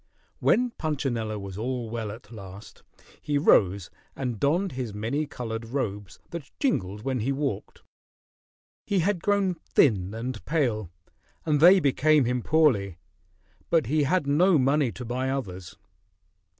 When Punchinello was all well at last; he rose and donned his many colored robes that jingled when he walked. He had grown thin and pale, and they became him poorly, but he had not money to buy others.